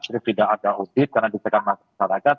terus tidak ada out sheet karena disekat masyarakat